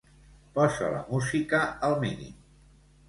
Posa la música al mínim.